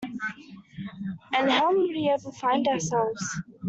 And how would we ever find ourselves.